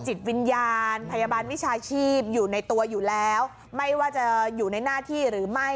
จิตวิญญาณพยาบาลวิชาชีพอยู่ในตัวอยู่แล้วไม่ว่าจะอยู่ในหน้าที่หรือไม่